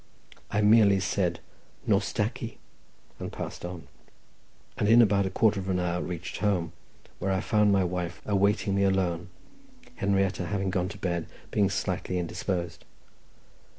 I merely said "Nos Da'ki," and passed on, and in about a quarter of an hour reached home, where I found my wife awaiting me alone, Henrietta having gone to bed, being slightly indisposed.